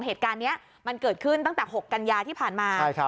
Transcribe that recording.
เหตุการณ์นี้มันเกิดขึ้นตั้งแต่๖กันยาที่ผ่านมา